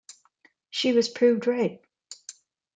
She was proved right.